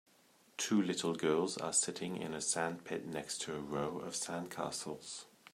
Two little girls are sitting in a sandpit next to a row of sand castles.